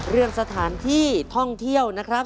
เรื่องสถานที่ท่องเที่ยวนะครับ